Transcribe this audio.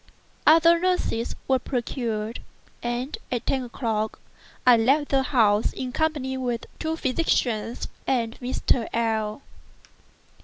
Other nurses were procured; and at ten o'clock I left the house in company with the two physicians and Mr. L—l.